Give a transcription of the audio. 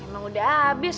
emang udah habis